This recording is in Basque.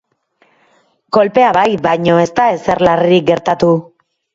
Kolpea bai, baina ez da ezer larririk gertatu.